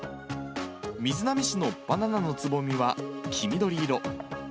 瑞浪市のバナナのつぼみは黄緑色。